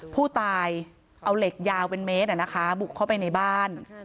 ผู้ตายเอาเหล็กยาวเป็นเมตรบุกเข้าไปในบ้าน